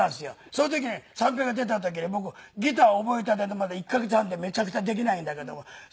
その時ね三平さん出た時に僕ギター覚えたてでまだ１カ月半でめちゃくちゃできないんだけども。